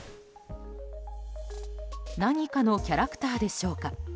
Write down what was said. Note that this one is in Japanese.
何かのキャラクターでしょうか。